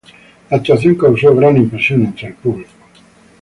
La actuación causó gran impresión en el público.